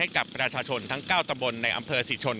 ได้จัดเตรียมความช่วยเหลือประบบพิเศษสี่ชน